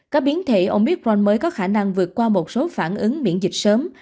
các biến thể omicron mới có khả năng vượt qua một số phản ứng miễn dịch sớm